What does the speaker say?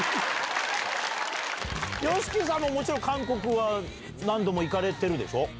ＹＯＳＨＩＫＩさんももちろん韓国は何度も行かれてるでしょ？